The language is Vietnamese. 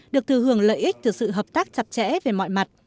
được thừa hưởng lợi ích từ sự hợp tác chặt chẽ về mọi mặt